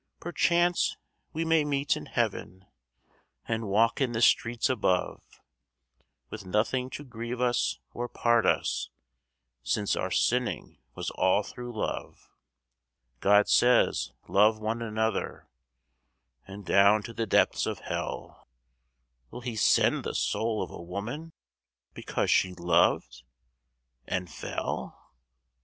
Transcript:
Perchance we may meet in heaven, And walk in the streets above, With nothing to grieve us or part us Since our sinning was all through love God says, "Love one another," And down to the depths of hell Will He send the soul of a woman Because she loved and fell?